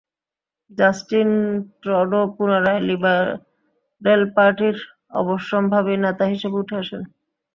Justin Trudeau পুনরায় Liberal পার্টির অবশ্যম্ভাবী নেতা হিসেবে উঠে আসেন।